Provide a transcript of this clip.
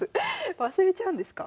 忘れちゃうんですか？